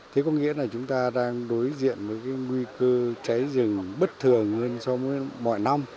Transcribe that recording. thế có nghĩa là chúng ta đang đối diện với cái nguy cơ cháy rừng bất thường hơn so với mọi năm